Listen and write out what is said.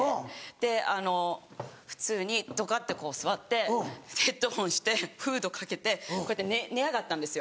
で普通にどかってこう座ってヘッドホンしてフードかけてこうやって寝やがったんですよ。